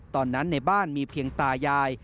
ตอนนั้นในบ้านมีเพียงตายาย